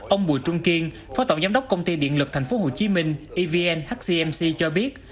ông bùi trung kiên phó tổng giám đốc công ty điện lực tp hcm evn hcmc cho biết